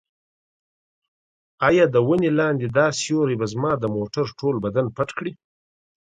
ایا د ونې لاندې دا سیوری به زما د موټر ټول بدن پټ کړي؟